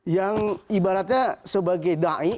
yang ibaratnya sebagai da'i